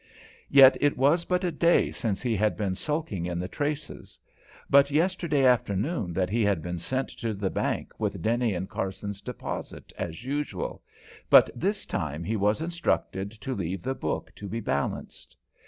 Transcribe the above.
Yet it was but a day since he had been sulking in the traces; but yesterday afternoon that he had been sent to the bank with Denny & Carson's deposit, as usual but this time he was instructed to leave the book to be balanced.